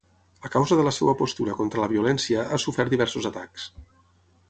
A causa de la seva postura contra la violència ha sofert diversos atacs.